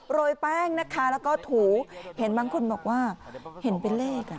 โรยแป้งนะคะแล้วก็ถูเห็นบางคนบอกว่าเห็นเป็นเลขอ่ะ